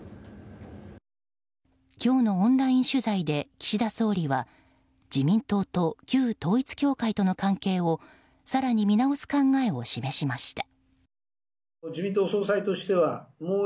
今日のオンライン取材で岸田総理は自民党と旧統一教会との関係を更に見直す考えを示しました。